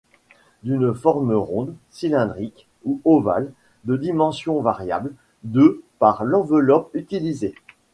D'une forme ronde, cylindrique ou ovale, de dimension variable, de par l'enveloppe utilisée.